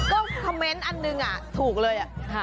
ก็คอมเมนต์อันหนึ่งถูกเลย